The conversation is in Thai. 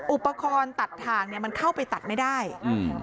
อุปกรณ์ตัดทางเนี้ยมันเข้าไปตัดไม่ได้อืม